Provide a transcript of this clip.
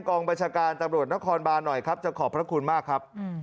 ตอนนี้มองเป็นฆาตกรรมครับ